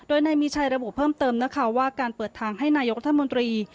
โดยนายมีชัยระบุเพิ่มเติมนะคะว่าการเปิดทางให้นายกรัฐมนตรี